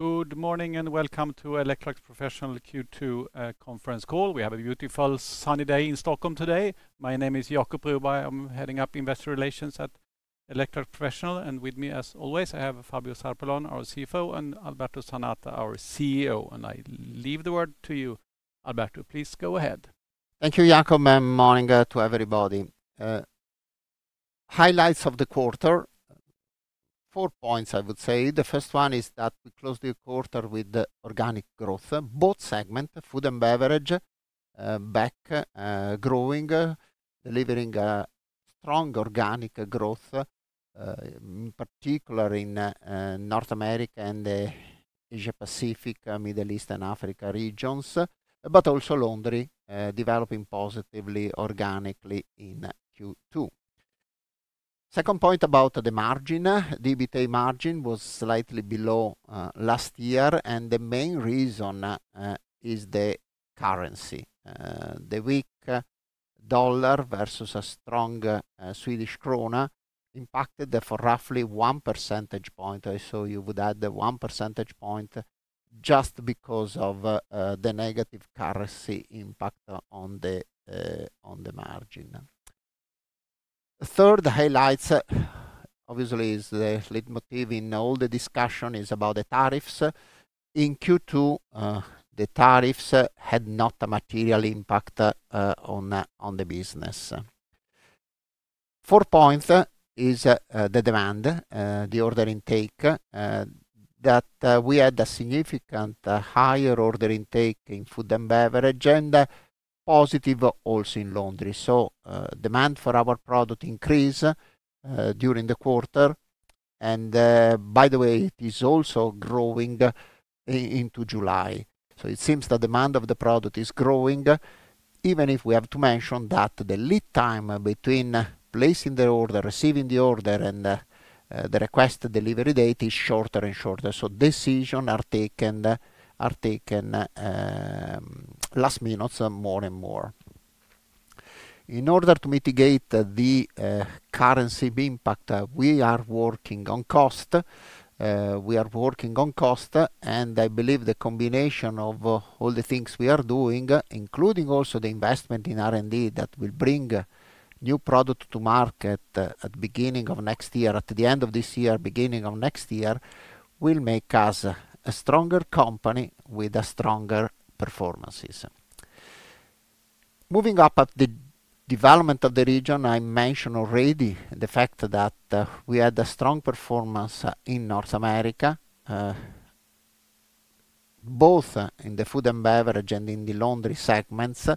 Good morning and welcome to Electrolux Professional Q2 conference call. We have a beautiful sunny day in Stockholm today. My name is Jacob Broberg, I'm heading up Investor Relations at Electrolux Professional. With me, as always, I have Fabio Zarpellon, our CFO, and Alberto Zanata, our CEO. I leave the word to you, Alberto. Please go ahead. Thank you, Jacob. Morning to everybody. Highlights of the quarter: four points, I would say. The first one is that we closed the quarter with organic growth. Both segments, Food & Beverage, are back growing, delivering strong organic growth, in particular in North America and the Asia-Pacific, Middle East, and Africa regions. Also Laundry, developing positively organically in Q2. Second point about the margin: the EBITDA margin was slightly below last year. The main reason is the currency. The weak dollar versus a strong Swedish krona impacted that for roughly 1 percentage point. You would add 1 percentage point just because of the negative currency impact on the margin. The third highlight, obviously, is the leitmotiv in all the discussion is about the tariffs. In Q2, the tariffs had not a material impact on the business. Fourth point is the demand, the order intake. We had a significantly higher order intake in Food & Beverage and positive also in Laundry. Demand for our product increased during the quarter. By the way, it is also growing into July. It seems the demand of the product is growing, even if we have to mention that the lead time between placing the order, receiving the order, and the request delivery date is shorter and shorter. Decisions are taken last minute more and more. In order to mitigate the currency impact, we are working on cost. We are working on cost. I believe the combination of all the things we are doing, including also the investment in R&D that will bring new product to market at the beginning of next year, at the end of this year, beginning of next year, will make us a stronger company with stronger performances. Moving up at the development of the region, I mentioned already the fact that we had a strong performance in North America, both in the Food & Beverage and in the Laundry segments.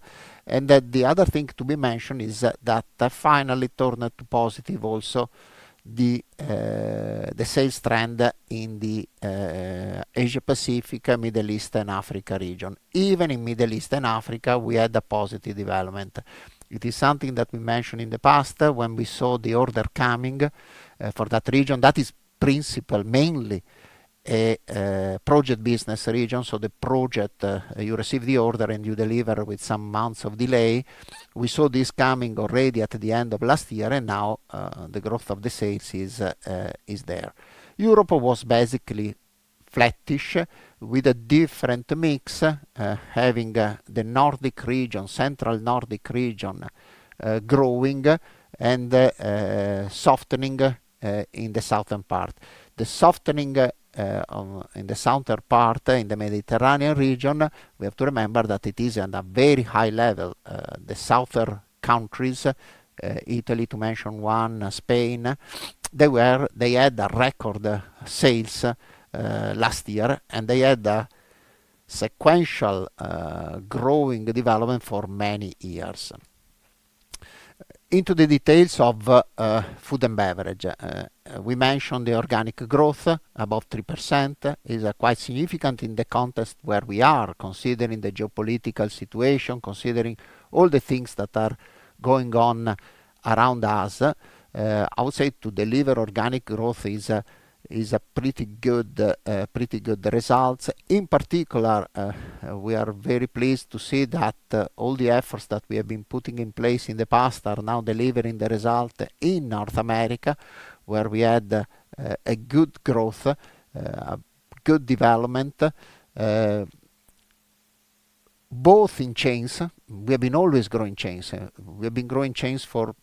The other thing to be mentioned is that finally turned to positive also the sales trend in the Asia-Pacific, Middle East, and Africa region. Even in the Middle East and Africa, we had a positive development. It is something that we mentioned in the past when we saw the order coming for that region. That is principal, mainly a project business region. The project, you receive the order and you deliver with some months of delay. We saw this coming already at the end of last year. Now the growth of the sales is there. Europe was basically flattish with a different mix, having the Nordic region, central Nordic region growing and softening in the southern part. The softening in the southern part, in the Mediterranean region, we have to remember that it is at a very high level. The southern countries, Italy to mention one, Spain, they had record sales last year. They had a sequential growing development for many years. Into the details of Food & Beverage, we mentioned the organic growth, about 3%. It is quite significant in the context where we are, considering the geopolitical situation, considering all the things that are going on around us. I would say to deliver organic growth is a pretty good result. In particular, we are very pleased to see that all the efforts that we have been putting in place in the past are now delivering the result in North America, where we had a good growth, a good development, both in chains. We have been always growing chains. We have been growing chains for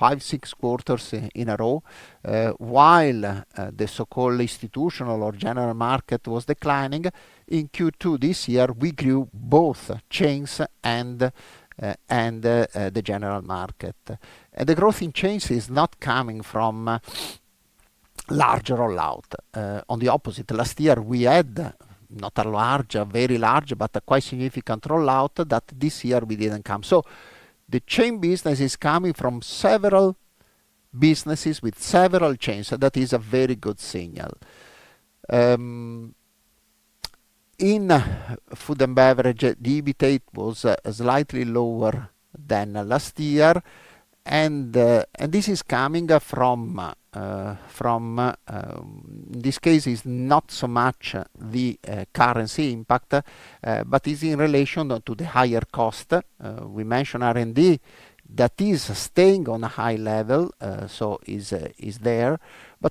five, six quarters in a row. While the so-called institutional or general market was declining, in Q2 this year, we grew both chains and the general market. The growth in chains is not coming from a larger rollout. On the opposite, last year we had not a large, a very large, but a quite significant rollout that this year we didn't come. The chain business is coming from several businesses with several chains. That is a very good signal. In Food & Beverage, the EBITDA was slightly lower than last year. This is coming from, in this case, it's not so much the currency impact, but it's in relation to the higher cost. We mentioned R&D that is staying on a high level. It is there.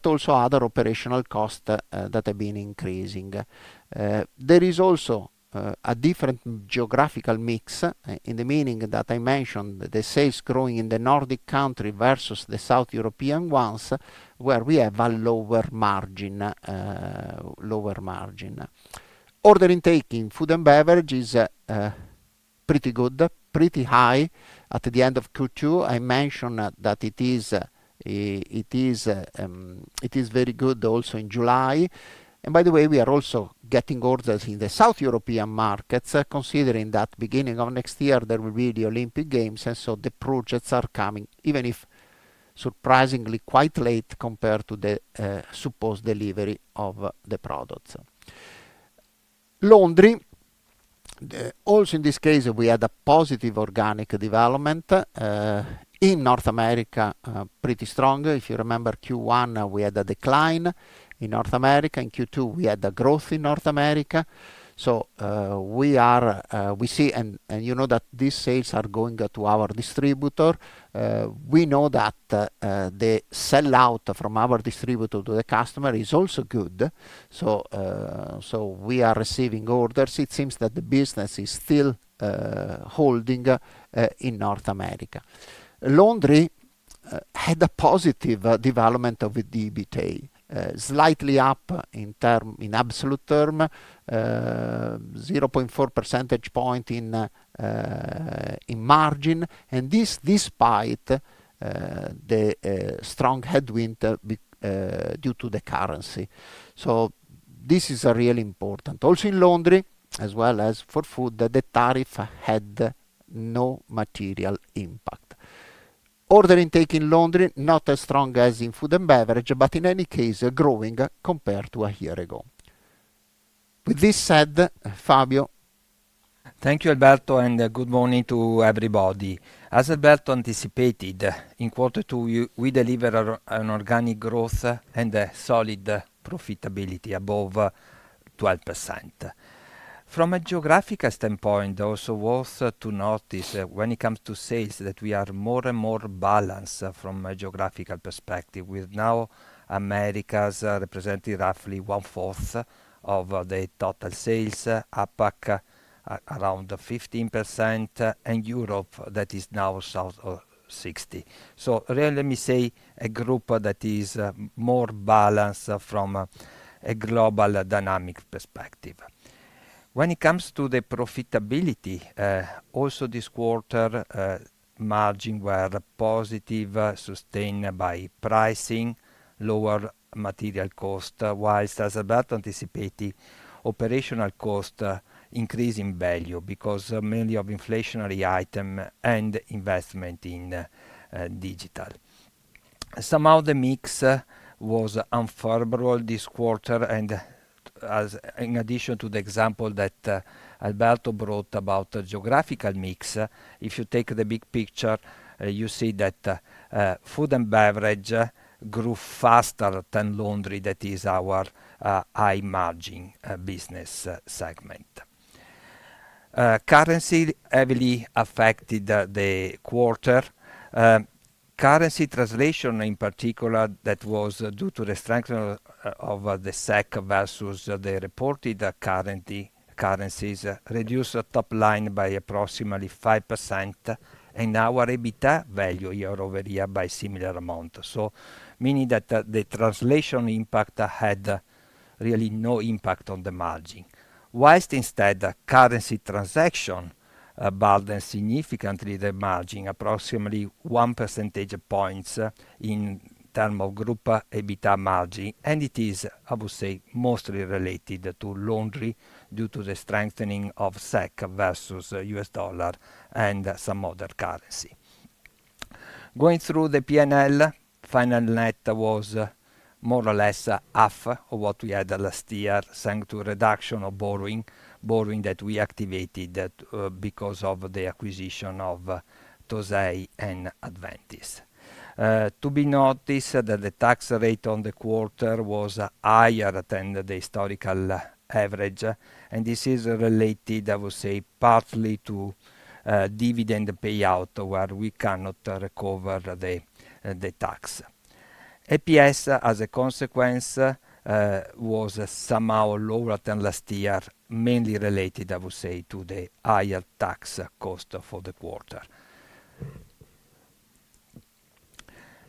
Also other operational costs that have been increasing. There is also a different geographical mix in the meaning that I mentioned the sales growing in the Nordic countries versus the South European ones, where we have a lower margin. Order intake in Food & Beverage is pretty good, pretty high. At the end of Q2, I mentioned that it is very good also in July. By the way, we are also getting orders in the South European markets, considering that beginning of next year, there will be the Olympic Games. The projects are coming, even if surprisingly quite late compared to the supposed delivery of the products. Laundry, also in this case, we had a positive organic development. In North America, pretty strong. If you remember Q1, we had a decline in North America. In Q2, we had a growth in North America. We see, and you know that these sales are going to our distributor. We know that the sellout from our distributor to the customer is also good. We are receiving orders. It seems that the business is still holding in North America. Laundry had a positive development of the EBITDA, slightly up in absolute term, 0.4 percentage point in margin. This is despite the strong headwind due to the currency. This is really important. Also in Laundry, as well as for Food & Beverage, the tariff had no material impact. Order intake in Laundry, not as strong as in Food & Beverage, but in any case, growing compared to a year ago. With this said, Fabio? Thank you, Alberto. Good morning to everybody. As Alberto anticipated, in Q2, we delivered an organic growth and a solid profitability above 12%. From a geographical standpoint, also worth to notice when it comes to sales that we are more and more balanced from a geographical perspective. We're now in America representing roughly one-fourth of the total sales, APAC around 15%, and Europe that is now south of 60%. Let me say, a group that is more balanced from a global dynamic perspective. When it comes to the profitability, also this quarter, margins were positive, sustained by pricing, lower material cost. Whilst as Alberto anticipated, operational costs increase in value because mainly of inflationary items and investment in digital. Some of the mix was unfavorable this quarter. In addition to the example that Alberto brought about the geographical mix, if you take the big picture, you see that Food & Beverage grew faster than Laundry. That is our high margin business segment. Currency heavily affected the quarter. Currency translation, in particular, that was due to the strengthening of the SEK versus the reported currencies, reduced top line by approximately 5% and our EBITDA value year-over-year by a similar amount. Meaning that the translation impact had really no impact on the margin. Whilst instead, currency transaction bothered significantly the margin, approximately one percentage point in terms of group EBITDA margin. It is, I would say, mostly related to Laundry due to the strengthening of SEK versus US dollar and some other currency. Going through the P&L, final net was more or less half of what we had last year, thanks to reduction of borrowing, borrowing that we activated because of the acquisition of Tosei and Adventis. To be noticed that the tax rate on the quarter was higher than the historical average. This is related, I would say, partly to dividend payout, where we cannot recover the tax. EPS, as a consequence, was somehow lower than last year, mainly related, I would say, to the higher tax cost for the quarter.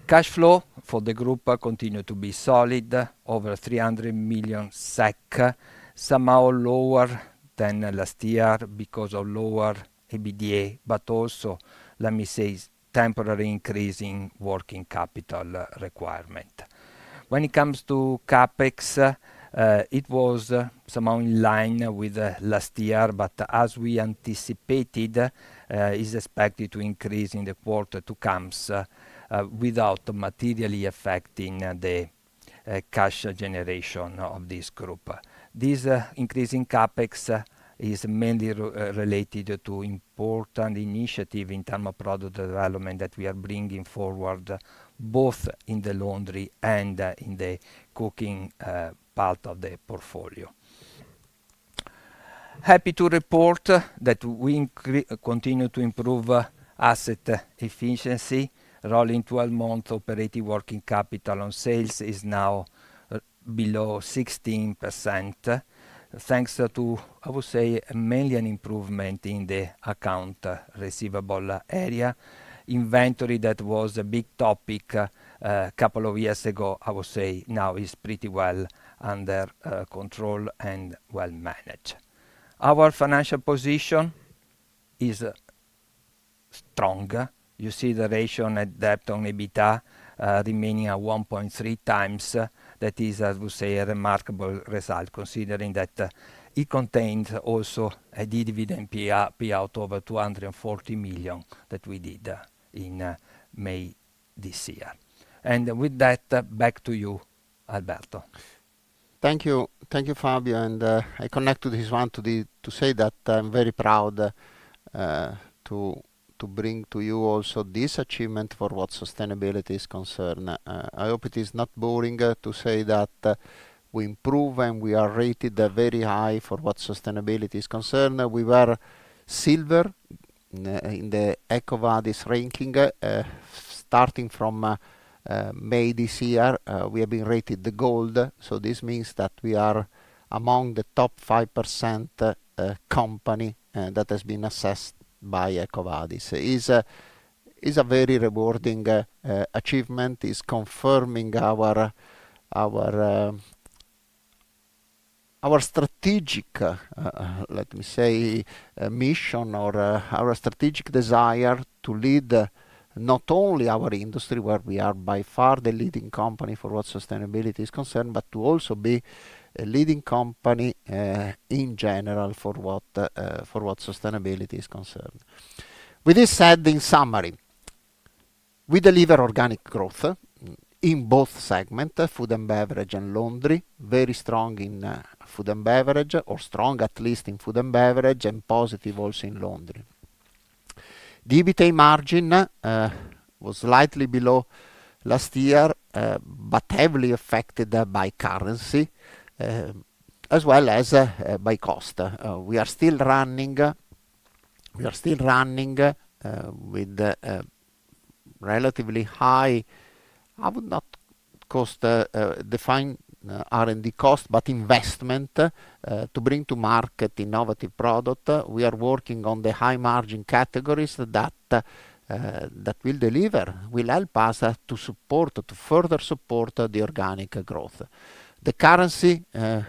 Cash flow for the group continued to be solid, over 300 million SEK. Somehow lower than last year because of lower EBITDA, but also, let me say, temporary increase in working capital requirement. When it comes to CapEx, it was somehow in line with last year, but as we anticipated, it is expected to increase in the quarter to come, without materially affecting the cash generation of this group. This increase in CapEx is mainly related to an important initiative in terms of product development that we are bringing forward, both in the Laundry and in the cooking part of the portfolio. Happy to report that we continue to improve asset efficiency. Rolling 12 months operating working capital on sales is now below 16%, thanks to, I would say, mainly an improvement in the account receivable area. Inventory that was a big topic a couple of years ago, I would say, now is pretty well under control and well managed. Our financial position is strong. You see the ratio net debt/EBITDA remaining at 1.3x. That is, I would say, a remarkable result, considering that it contains also a dividend payout of over 240 million that we did in May this year. With that, back to you, Alberto. Thank you. Thank you, Fabio. I connect to this one to say that I'm very proud to bring to you also this achievement for what sustainability is concerned. I hope it is not boring to say that we improve and we are rated very high for what sustainability is concerned. We were silver in the EcoVadis ranking, starting from May this year. We have been rated the gold. This means that we are among the top 5% company that has been assessed by EcoVadis. It is a very rewarding achievement. It is confirming our strategic, let me say, mission or our strategic desire to lead not only our industry, where we are by far the leading company for what sustainability is concerned, but to also be a leading company in general for what sustainability is concerned. With this said, in summary, we deliver organic growth in both segments, Food & Beverage and Laundry. Very strong in Food & Beverage, or strong at least in Food & Beverage, and positive also in Laundry. The EBITDA margin was slightly below last year, but heavily affected by currency as well as by cost. We are still running with relatively high, I would not call it defined R&D cost, but investment to bring to market innovative products. We are working on the high margin categories that will deliver, will help us to support, to further support the organic growth. The currency, and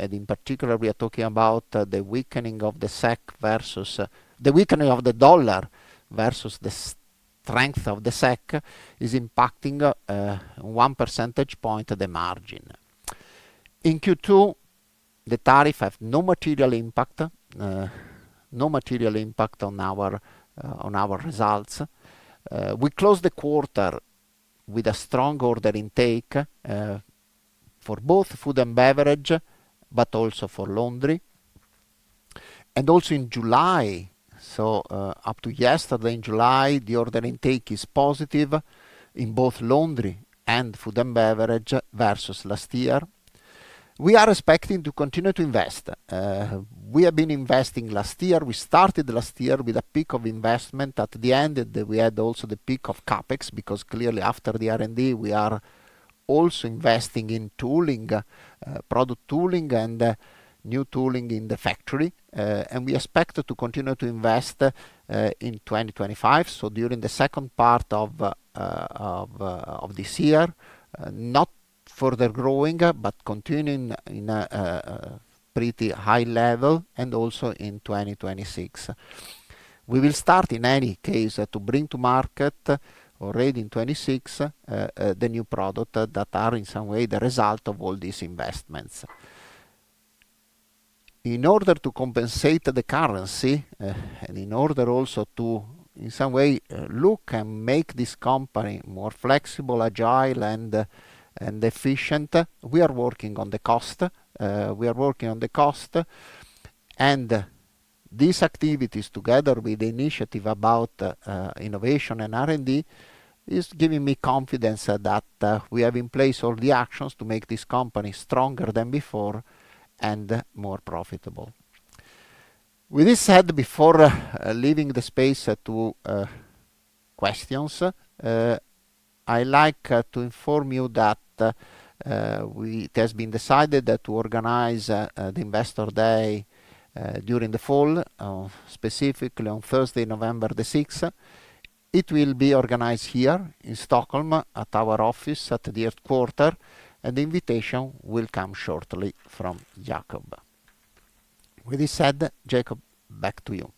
in particular, we are talking about the weakening of the SEK versus the weakening of the dollar versus the strength of the SEK is impacting one percentage point of the margin. In Q2, the tariff had no material impact, no material impact on our results. We closed the quarter with a strong order intake for both Food & Beverage, but also for Laundry. Also in July, up to yesterday in July, the order intake is positive in both Laundry and Food & Beverage versus last year. We are expecting to continue to invest. We have been investing last year. We started last year with a peak of investment. At the end, we had also the peak of CapEx because clearly after the R&D, we are also investing in tooling, product tooling, and new tooling in the factory. We expect to continue to invest in 2025. During the second part of this year, not further growing, but continuing in a pretty high level and also in 2026. We will start in any case to bring to market already in 2026 the new products that are in some way the result of all these investments. In order to compensate the currency and in order also to, in some way, look and make this company more flexible, agile, and efficient, we are working on the cost. We are working on the cost. These activities, together with the initiative about innovation and R&D, is giving me confidence that we have in place all the actions to make this company stronger than before and more profitable. With this said, before leaving the space to questions, I like to inform you that it has been decided to organize the Investor Day during the fall, specifically on Thursday, November 6th. It will be organized here in Stockholm at our office at the third quarter. The invitation will come shortly from Jacob. With this said, Jacob, back to you.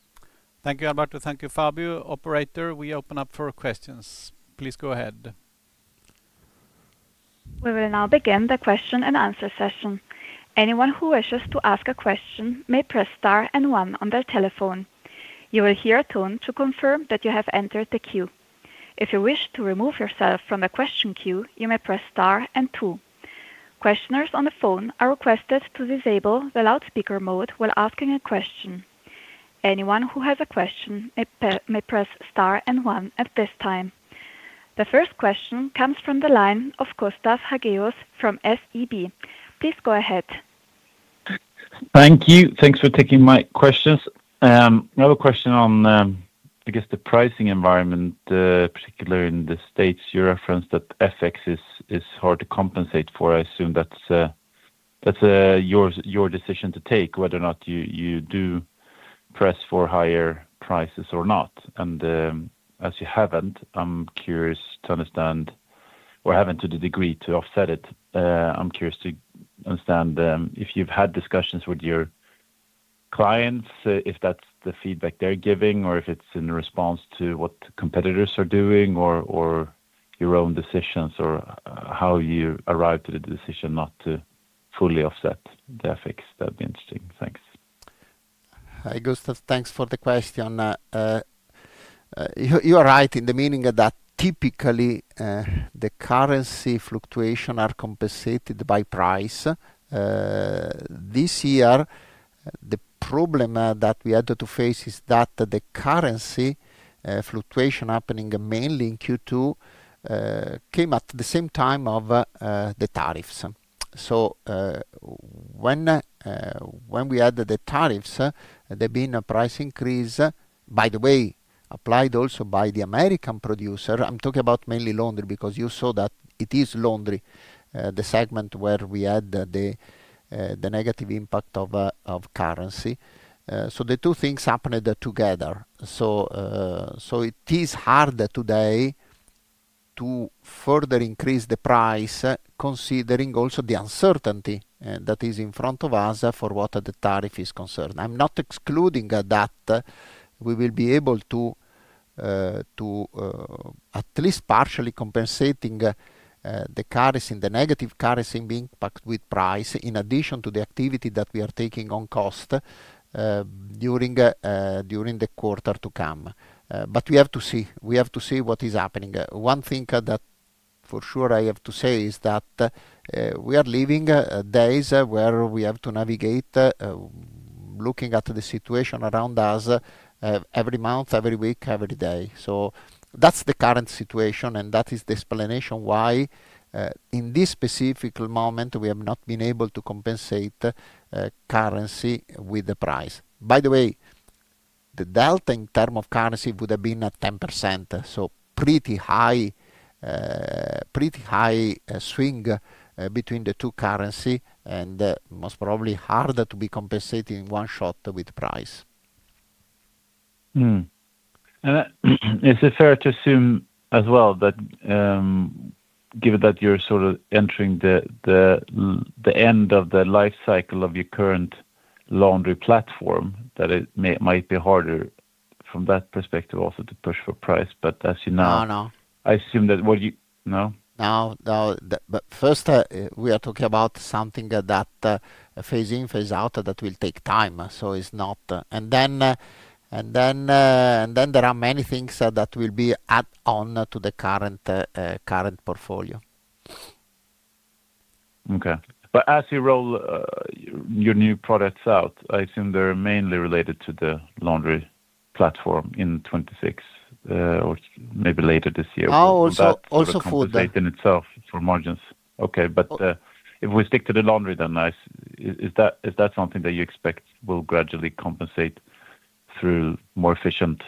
Thank you, Alberto. Thank you, Fabio. Operator, we open up for questions. Please go ahead. We will now begin the question-and-answer session. Anyone who wishes to ask a question may press star and one on their telephone. You will hear a tone to confirm that you have entered the queue. If you wish to remove yourself from the question queue, you may press star and two. Questioners on the phone are requested to disable the loudspeaker mode while asking a question. Anyone who has a question may press star and one at this time. The first question comes from the line of Gustav Hagéus from SEB. Please go ahead. Thank you. Thanks for taking my questions. I have a question on, I guess, the pricing environment, particularly in the states. You referenced that FX is hard to compensate for. I assume that's your decision to take whether or not you do press for higher prices or not. As you haven't, I'm curious to understand, or haven't to the degree to offset it, I'm curious to understand if you've had discussions with your clients, if that's the feedback they're giving, if it's in response to what competitors are doing, your own decisions, or how you arrived at the decision not to fully offset the FX. That would be interesting. Thanks. Hi, Gustav. Thanks for the question. You are right in the meaning that typically the currency fluctuations are compensated by price. This year, the problem that we had to face is that the currency fluctuation happening mainly in Q2 came at the same time as the tariffs. When we added the tariffs, there had been a price increase, by the way, applied also by the American producer. I'm talking about mainly Laundry because you saw that it is Laundry, the segment where we had the negative impact of currency. The two things happened together. It is hard today to further increase the price, considering also the uncertainty that is in front of us for what the tariff is concerned. I'm not excluding that we will be able to at least partially compensate the negative currency impact with price, in addition to the activity that we are taking on cost during the quarter to come. We have to see. We have to see what is happening. One thing that for sure I have to say is that we are living days where we have to navigate, looking at the situation around us every month, every week, every day. That's the current situation. That is the explanation why, in this specific moment, we have not been able to compensate currency with the price. By the way, the delta in terms of currency would have been at 10%. Pretty high swing between the two currencies and most probably harder to be compensated in one shot with price. Is it fair to assume as well, given that you're sort of entering the end of the lifecycle of your current Laundry platform, that it might be harder from that perspective also to push for price? As you know, I assume that what you know. First, we are talking about something that phase in, phase out, that will take time. It is not. There are many things that will be added on to the current portfolio. As you roll your new products out, I assume they're mainly related to the Laundry platform in 2026 or maybe later this year. Now, also Food & Beverage. That's a big update in itself for margins. Okay. If we stick to the Laundry then, is that something that you expect will gradually compensate through a more efficient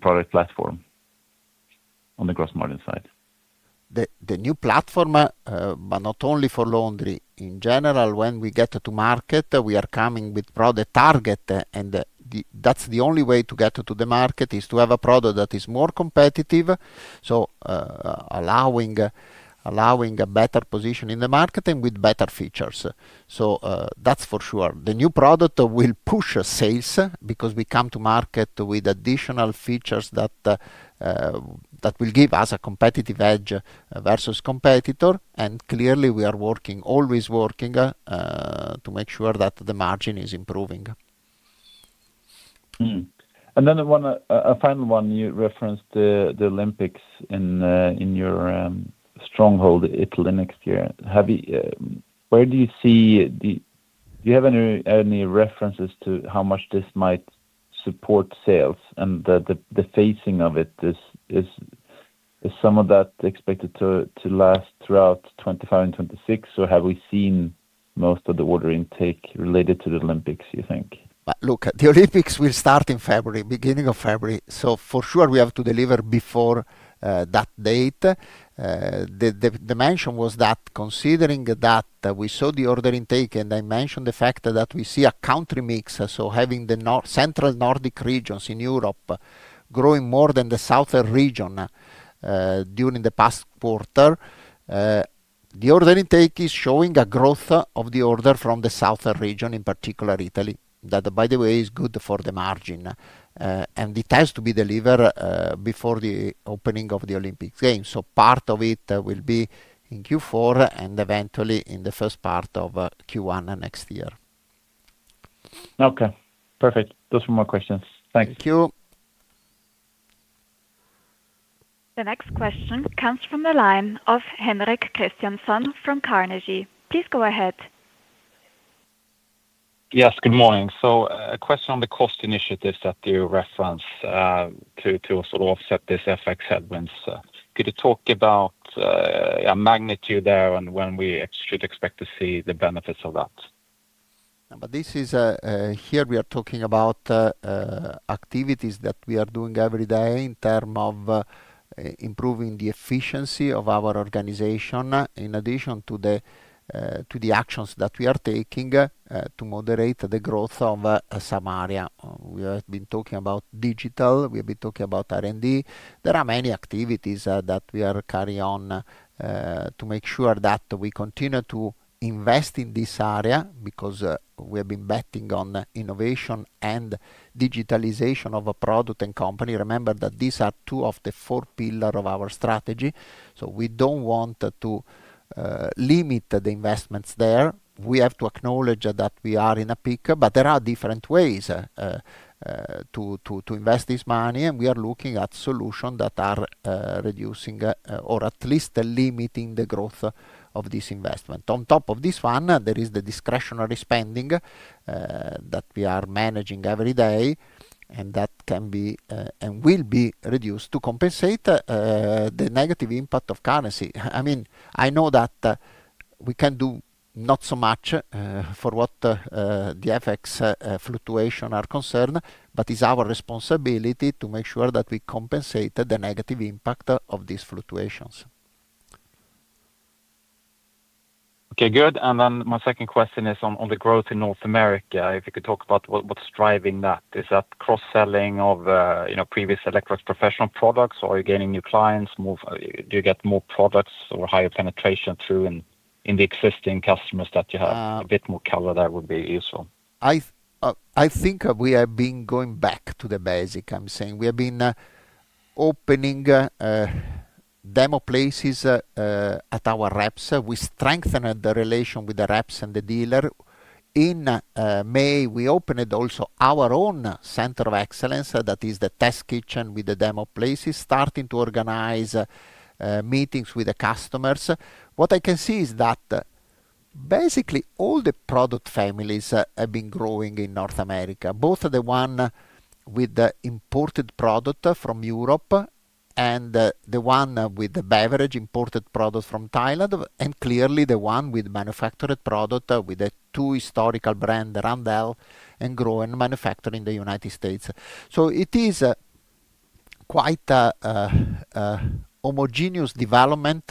product platform on the gross margin side? The new platform, but not only for Laundry. In general, when we get to market, we are coming with a product target. That's the only way to get to the market, to have a product that is more competitive, allowing a better position in the market and with better features. That's for sure. The new product will push sales because we come to market with additional features that will give us a competitive edge versus competitors. We are always working to make sure that the margin is improving. You referenced the Olympics in your stronghold Italy next year. Where do you see the, do you have any references to how much this might support sales and the phasing of it? Is some of that expected to last throughout 2025 and 2026? Or have we seen most of the order intake related to the Olympics, you think? Look, the Olympics will start in February, beginning of February. For sure, we have to deliver before that date. The mention was that considering that we saw the order intake and I mentioned the fact that we see a country mix. Having the central Nordic regions in Europe growing more than the southern region during the past quarter, the order intake is showing a growth of the order from the southern region, in particular Italy, that, by the way, is good for the margin. It has to be delivered before the opening of the Olympic Games. Part of it will be in Q4 and eventually in the first part of Q1 next year. Okay. Perfect. Those were my questions. Thanks. Thank you. The next question comes from the line of Henrik Christiansson from Carnegie. Please go ahead. Yes, good morning. A question on the cost initiatives that you referenced to sort of offset this FX headwinds. Could you talk about the magnitude there and when we should expect to see the benefits of that? Here we are talking about activities that we are doing every day in terms of improving the efficiency of our organization, in addition to the actions that we are taking to moderate the growth of some areas. We have been talking about digital. We have been talking about R&D. There are many activities that we are carrying on to make sure that we continue to invest in this area because we have been betting on innovation and digitalization of a product and company. Remember that these are two of the four pillars of our strategy. We don't want to limit the investments there. We have to acknowledge that we are in a peak, but there are different ways to invest this money. We are looking at solutions that are reducing or at least limiting the growth of this investment. On top of this one, there is the discretionary spending that we are managing every day and that can be and will be reduced to compensate the negative impact of currency. I know that we can do not so much for what the FX fluctuations are concerned, but it's our responsibility to make sure that we compensate the negative impact of these fluctuations. Okay, good. My second question is on the growth in North America. If you could talk about what's driving that. Is that cross-selling of previous Electrolux Professional products? Are you gaining new clients? Do you get more products or higher penetration through in the existing customers that you have? A bit more color there would be useful. I think we have been going back to the basic. I'm saying we have been opening demo places at our reps. We strengthened the relation with the reps and the dealer. In May, we opened also our own center of excellence that is the test kitchen with the demo places, starting to organize meetings with the customers. What I can see is that basically all the product families have been growing in North America, both the one with the imported product from Europe and the one with the beverage imported products from Thailand, and clearly the one with manufactured products with the two historical brands, Randell and Grow, and manufactured in the United States. It is quite a homogeneous development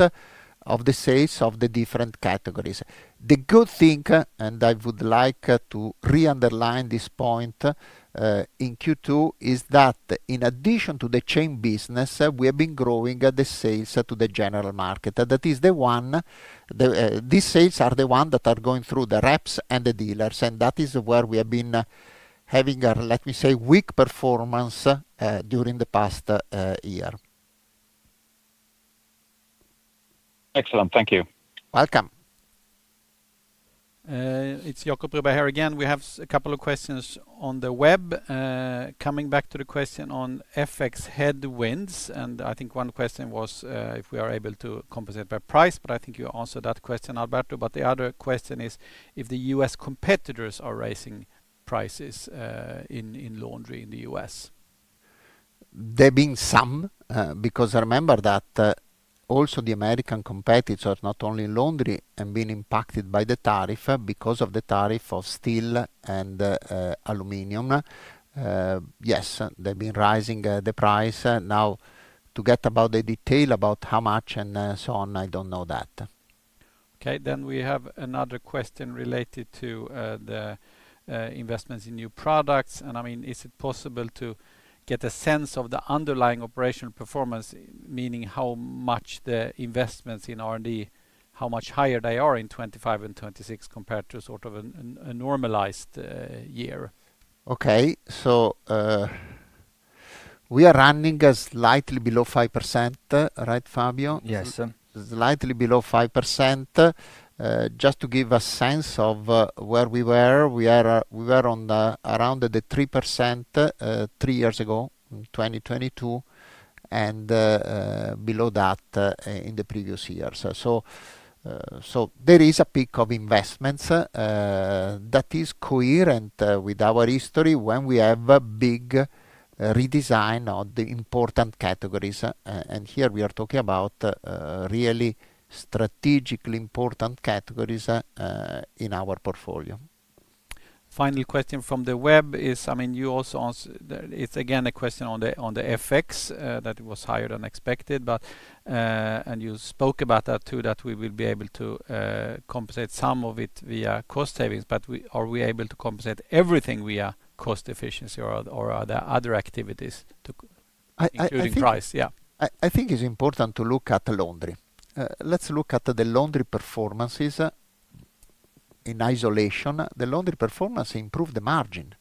of the sales of the different categories. The good thing, and I would like to re-underline this point in Q2, is that in addition to the chain business, we have been growing the sales to the general market. That is the one, these sales are the ones that are going through the reps and the dealers. That is where we have been having, let me say, weak performance during the past year. Excellent. Thank you. Welcome. It's Jacob Broberg here again. We have a couple of questions on the web. Coming back to the question on FX headwinds, I think one question was if we are able to compensate by price. I think you answered that question, Alberto. The other question is if the U.S. competitors are raising prices in Laundry in the U.S. There have been some, because I remember that also the American competitors are not only in Laundry and being impacted by the tariff because of the tariff of steel and aluminum. Yes, they've been rising the price. Now, to get about the detail about how much and so on, I don't know that. Okay. We have another question related to the investments in new products. Is it possible to get a sense of the underlying operational performance, meaning how much the investments in R&D, how much higher they are in 2025 and 2026 compared to sort of a normalized year? Okay, we are running slightly below 5%, right, Fabio? Yes. Slightly below 5%. Just to give a sense of where we were, we were around the 3% three years ago in 2022 and below that in the previous years. There is a peak of investments that is coherent with our history when we have a big redesign of the important categories. Here we are talking about really strategically important categories in our portfolio. Final question from the web is, I mean, you also answered, it's again a question on the FX that it was higher than expected. You spoke about that too, that we will be able to compensate some of it via cost savings. Are we able to compensate everything via cost efficiency, or are there other activities including price? Yeah. I think it's important to look at Laundry. Let's look at the Laundry performances in isolation. The Laundry performance improved the margin.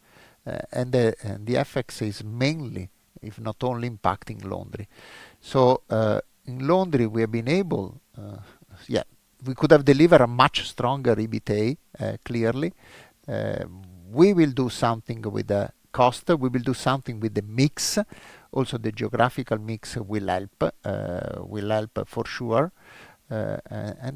The FX is mainly, if not only, impacting Laundry. In Laundry, we have been able, yeah, we could have delivered a much stronger EBITDA, clearly. We will do something with the cost. We will do something with the mix. Also, the geographical mix will help, will help for sure. In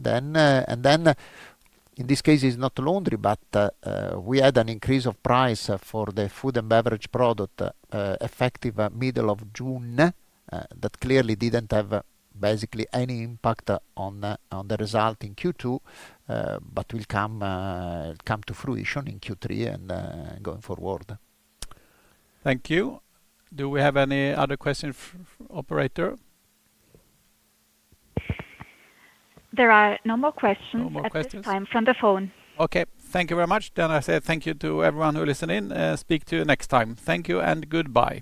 this case, it's not Laundry, but we had an increase of price for the Food & Beverage product effective middle of June that clearly didn't have basically any impact on the result in Q2, but will come to fruition in Q3 and going forward. Thank you. Do we have any other questions, Operator? There are no more questions at this time from the phone. Okay. Thank you very much. I say thank you to everyone who listened in. Speak to you next time. Thank you and goodbye.